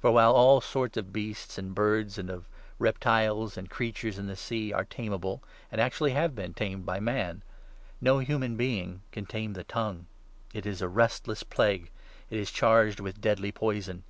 For while all sorts of beasts 7 and birds, and of reptiles and creatures in the sea, are tame able, and actually have been tamed by man, no human being 8 can tame the tongue. It is a restless plague ! It is charged with deadly poison